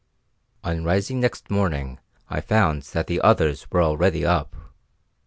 On rising next morning I found that the others were already up.